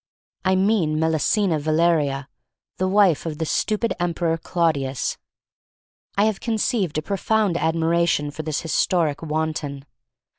I mean Messalina Valeria, the wife of the stupid emperor Claudius. I have conceived a pro found admiration for this historic wan ton.